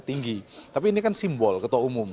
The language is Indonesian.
tinggi tapi ini kan simbol ketua umum